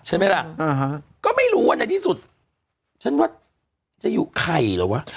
ใช่ไหมล่ะอ่าฮะก็ไม่รู้ว่าในที่สุดฉันว่าจะอยู่ไข่เหรอวะ